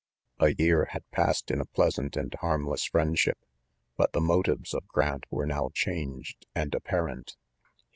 A year had passed in a pleasant and harmless friendship j but the motives of Giant were now changed and apparent.